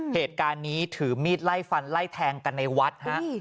เหตุการณ์นี้ถือมีดไล่ฟันไล่แทงกันในวัดฮะ